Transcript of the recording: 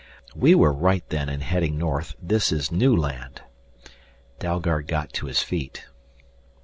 "We were right then in heading north; this is new land." Dalgard got to his feet.